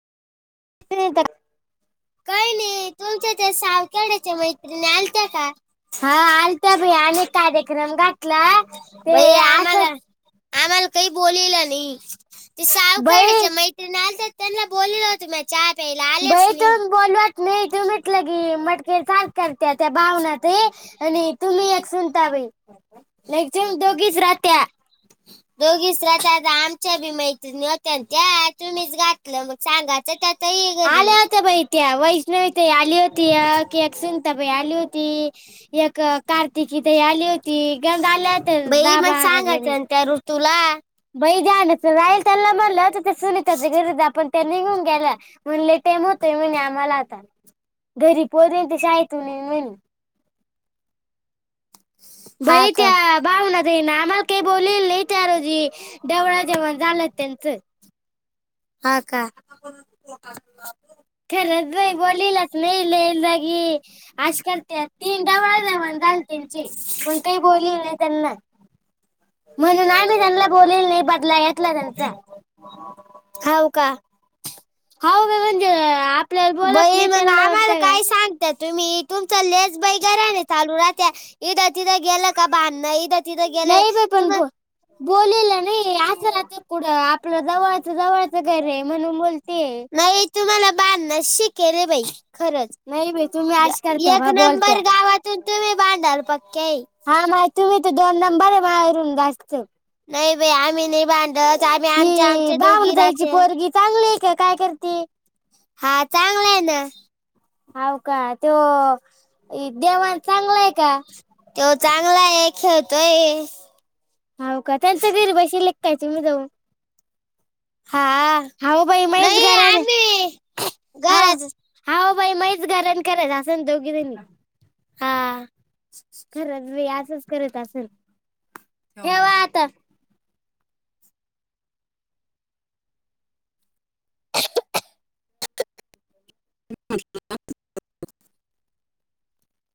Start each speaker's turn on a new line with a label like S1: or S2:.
S1: ते तर
S2: काही नाही तुमच्या त्या सावखेड्याच्या मैत्रिणी आलत्या का? अनेक कार्यक्रम घातला बाई आम्हाला आम्हाला काही बोललेलं नाही ते सावखेडच्या मैत्रिणी त्यांना बोललेलं होत म्या चहा प्यायला आलेस नाही. त नाही तघितलं की मग ते सांगत त्या त्या भावना ताई आणि ही दोघीच राहत्या, दोघीच राह आमच्या बी मैत्रीणी होत्या त्या तुम्हीच घातलं मग सांगायचं त्या ताई घरी, आल्या होत्या बाई आली होती आली होती एक बाई मग सांगाच त्या ऋतूला म्ह गर आपण त्यान गला म्हण. म्हणे आम्हाला घरी कोण नाही ती शाळेतून येऊ राहिली.
S1: बई त्या भाऊना ताई न आम्हाला काही बोललेल नाही त्या रोजी डोहाळे जेवण झालं. त्यांच.
S2: हा का. खरंच भा बोल ना नाही जाग आजकाल तीन जा म्ह. लवकर बोलून घे त्यांना. म्हणून नाहीना बोल नाही बदलाला. [unintelligible]
S1: होव का हो व व
S2: बई मग आम्हाला काय सांगता तुम्ही तुमचा लेस बैगरा चालू राहत्या इद तिथं गेलं का भांडण इद तिथं गेलं तुम
S1: बोललेलं नाही अस नाच कुडं आपलं जवळचं जवळच
S2: नाही तुम्हाला भांडण च शिकेल आहे बाई खरंच
S1: नाही भे तुम्ही आश करताय म बोल
S2: पर गावातून तुम्ही भांडायला पक्के ये.
S1: हा म तुम्ही तर दोन नंबर मारून जायत.
S2: नाही बाई आम्ही नाही भांडत आम्ही आमच्या आमच्या दोघी राजे हा चांगलं आहे ना.
S1: हव का तो देवाण चांगलंय का?
S2: तो चांगला आहे खेळतोय.
S1: हो का त्यांच घरी बसेल आहे काय तुम्ही जाऊन ह बाई महीच गरहने हव हव बाई माझे च गराणे करत असेन तुम्ही दोगी जणी ह खरंच बाई असंच करत असेल. ठेवा आता.
S2: ह. [unintelligible]